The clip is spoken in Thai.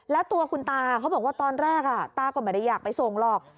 แล้วตัวคุณตาเขาบอกว่าตอนแรกตาก็ไม่ได้อยากไปส่งหรอก